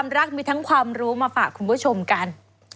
โดย